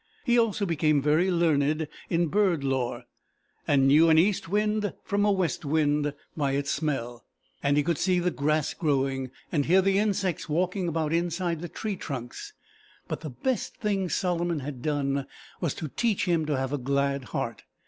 He also became very learned in bird lore, and knew an east wind from a west wind by its smell, and he could see the grass growing and hear the insects walking about inside the tree trunks. But the best thing Solomon had done was to teach him to have a glad heart.